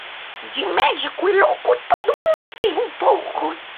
De médico e louco, todo mundo tem um pouco